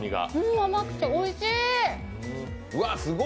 甘くておいしーい！